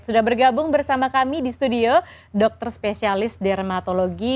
sudah bergabung bersama kami di studio dokter spesialis dermatologi